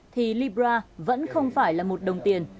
thì libra vẫn không phải là một đồng tiền